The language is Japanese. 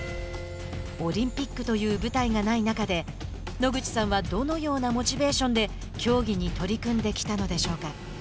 オリンピックという舞台がない中で野口さんはどのようなモチベーションで競技に取り組んできたのでしょうか。